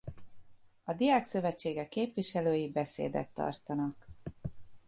A diákszövetségek képviselői beszédet tartanak.